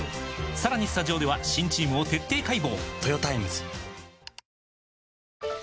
さらにスタジオでは新チームを徹底解剖！